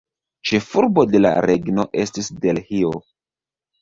Ĉefurbo de la regno estis Delhio.